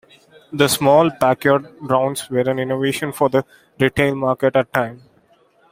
The small packaged rounds were an innovation for the retail market at the time.